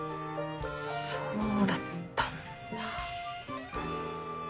そうだったんだ。